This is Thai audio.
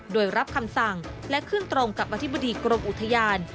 โดยรับคำสั่งและขึ้นตรงกับอธิบดีกรมอุทยาน